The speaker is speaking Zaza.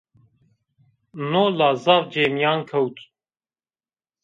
No la zaf cêmîyan kewt